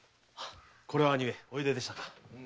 これは兄上おいででしたか。